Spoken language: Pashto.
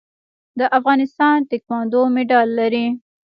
د افغانستان تکواندو مډال لري